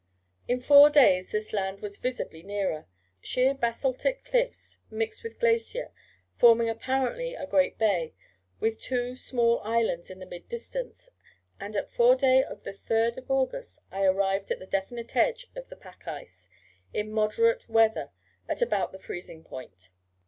In four days this land was visibly nearer, sheer basaltic cliffs mixed with glacier, forming apparently a great bay, with two small islands in the mid distance; and at fore day of the 3rd August I arrived at the definite edge of the pack ice in moderate weather at about the freezing point.